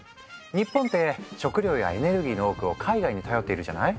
日本って食料やエネルギーの多くを海外に頼っているじゃない？